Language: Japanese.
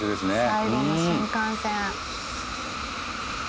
最後の新幹線。